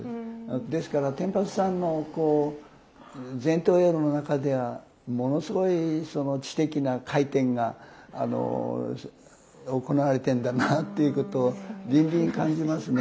ですから天畠さんのこう前頭葉の中ではものすごいその知的な回転が行われてるんだなということビンビン感じますね。